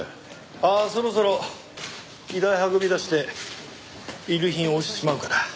ああそろそろ遺体運び出して遺留品を押収しちまうから。